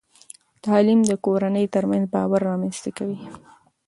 تعلیم د کورنۍ ترمنځ باور رامنځته کوي.